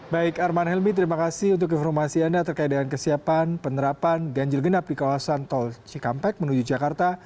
baik arman helmi terima kasih untuk informasi anda terkait dengan kesiapan penerapan ganjil genap di kawasan tol cikampek menuju jakarta